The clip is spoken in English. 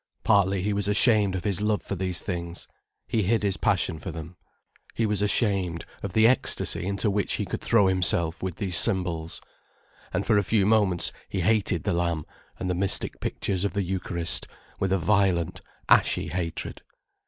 Partly he was ashamed of his love for these things; he hid his passion for them. He was ashamed of the ecstasy into which he could throw himself with these symbols. And for a few moments he hated the lamb and the mystic pictures of the Eucharist, with a violent, ashy hatred.